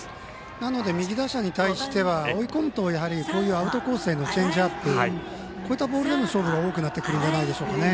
なので右打者に対しては追い込むとこういうアウトコースへのチェンジアップこういったボールでの勝負が多くなってくるんじゃないでしょうか。